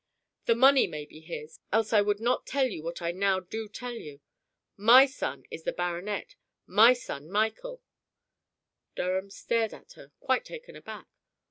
The money may be his, else I would not tell you what I now do tell you. My son is the baronet my son Michael." Durham stared at her, quite taken aback.